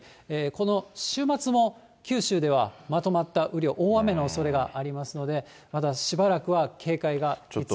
この週末も、九州ではまとまった雨量、大雨のおそれがありますので、まだしばらくは警戒が必要ですね。